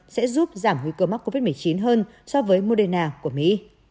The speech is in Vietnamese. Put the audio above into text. sẽ giúp giảm nguy cơ mắc covid một mươi chín hơn so với moderna của mỹ